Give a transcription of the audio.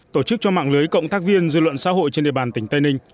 tổ chức cho mạng lưới cộng tác viên dư luận xã hội trên địa bàn tỉnh tây ninh